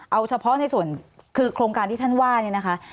เอาเฉพาะในส่วนคือโครงการที่ท่านว่าเนี่ยนะคะ